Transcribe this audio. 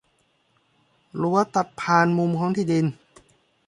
รั้วตัดผ่านมุมของที่ดิน